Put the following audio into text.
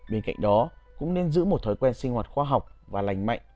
bên cạnh đó cũng nên giữ một thói quen sinh hoạt khoa học và lành mạnh